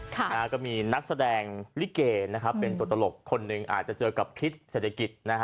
ก็มีนักแสดงลิเกเป็นตัวตลกคนหนึ่งอาจจะเจอกับทิศเศรษฐกิจ